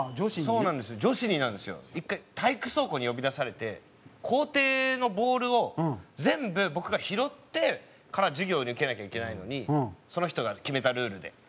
１回体育倉庫に呼び出されて校庭のボールを全部僕が拾ってから授業に受けなきゃいけないのにその人が決めたルールで。